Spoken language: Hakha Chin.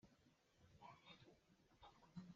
Ngakchia pa a it.